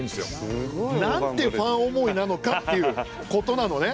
すごい大盤振る舞い。なんてファン思いなのかっていうことなのね。